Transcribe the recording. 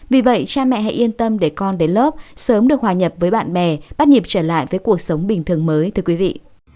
vì vậy cha mẹ hãy yên tâm để con đến lớp sớm được hòa nhập với bạn bè bắt nhịp trở lại với cuộc sống bình thường mới